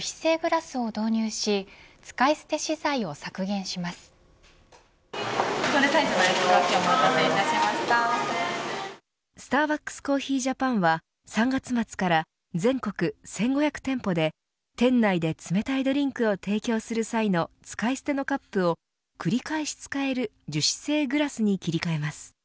スターバックスコーヒージャパンは、３月末から全国１５００店舗で店内で冷たいドリンクを提供する際の使い捨てのカップを繰り返し使える樹脂製グラスに切り替えます。